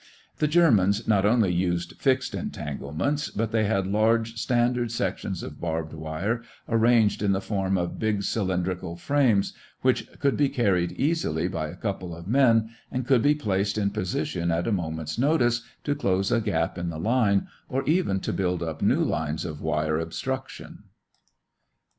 The Germans not only used fixed entanglements, but they had large standard sections of barbed wire arranged in the form of big cylindrical frames which would be carried easily by a couple of men and could be placed in position at a moment's notice to close a gap in the line or even to build up new lines of wire obstruction.